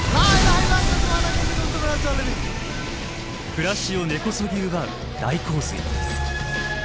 暮らしを根こそぎ奪う大洪水。